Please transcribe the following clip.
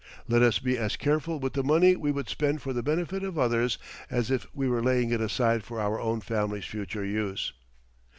Let us be as careful with the money we would spend for the benefit of others as if we were laying it aside for our own family's future use.